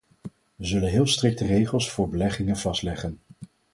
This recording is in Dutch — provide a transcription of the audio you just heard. We zullen heel strikte regels voor beleggingen vastleggen.